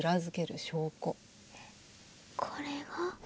これが？